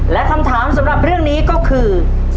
และคำถามสำหรับเรื่องนี้ก็คือ